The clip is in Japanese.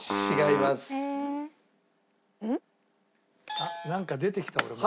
あっなんか出てきた俺もう。